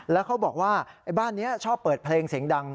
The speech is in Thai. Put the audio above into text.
แล้วเขาบอกว่าไอ้บ้านนี้ชอบเปิดเพลงเสียงดัง